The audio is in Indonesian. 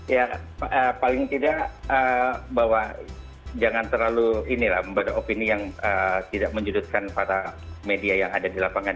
ya paling tidak bahwa jangan terlalu inilah lembaga opini yang tidak menjudutkan para media yang ada di lapangan